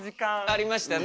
ありましたね。